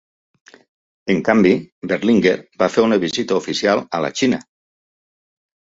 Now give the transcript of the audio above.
En canvi, Berlinguer va fer una visita oficial a la Xina.